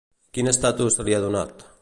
Quin estatus se li ha donat?